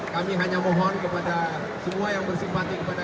kami hanya mohon kepada semua yang berada di atletik indonesia